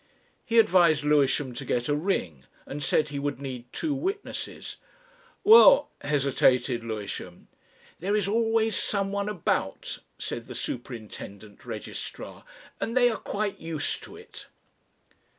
He advised Lewisham to get a ring, and said he would need two witnesses. "Well " hesitated Lewisham. "There is always someone about," said the superintendent registrar. "And they are quite used to it."